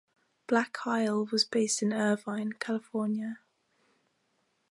Black Isle was based in Irvine, California.